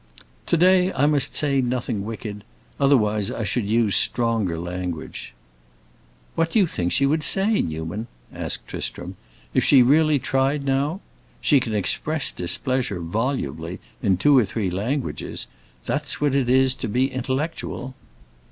"To day I must say nothing wicked; otherwise I should use stronger language." "What do you think she would say, Newman?" asked Tristram. "If she really tried, now? She can express displeasure, volubly, in two or three languages; that's what it is to be intellectual.